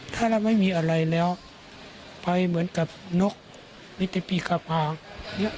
ถ้าเราไม่มีอะไรแล้วไปเหมือนกับนกไม่แต่ปีกภาพ